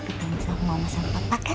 tapi jangan sama mama sama papa kan